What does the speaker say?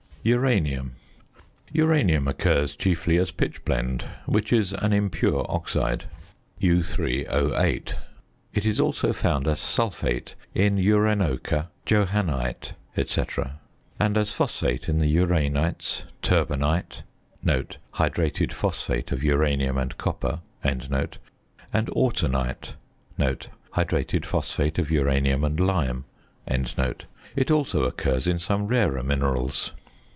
URANIUM. Uranium occurs chiefly as pitchblende, which is an impure oxide (U_O_). It is also found as sulphate in uranochre, johannite, &c. and as phosphate in the uranites, torbernite (hydrated phosphate of uranium and copper), and autunite (hydrated phosphate of uranium and lime). It also occurs in some rarer minerals.